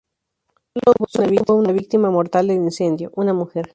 Solo hubo una víctima mortal del incendio, una mujer.